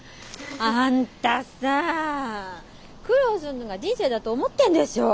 あんたさ苦労すんのが人生だと思ってんでしょ。